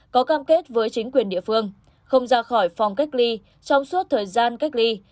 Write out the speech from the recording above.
có cam kết với chính quyền địa phương không ra khỏi phòng cách ly trong suốt thời gian cách ly